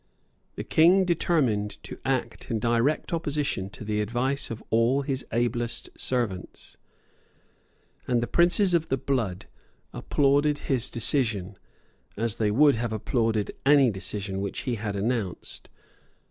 The King determined to act in direct opposition to the advice of all his ablest servants; and the princes of the blood applauded his decision, as they would have applauded any decision which he had announced.